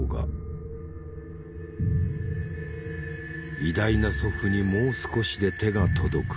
偉大な祖父にもう少しで手が届く。